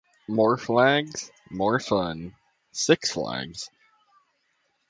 The same ceremony is performed to procure the death of an enemy.